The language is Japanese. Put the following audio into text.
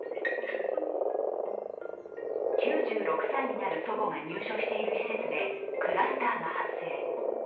９６歳になる祖母が入所している施設でクラスターが発生。